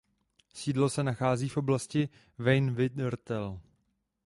Sídlo se nachází v oblasti Weinviertel.